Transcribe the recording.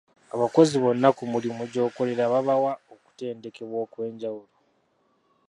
Abakozi bonna ku mulimu gy'okolera babawa okutendekebwa okw'enjawulo?